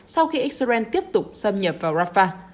sau khi israel tiếp tục xâm nhập vào rafah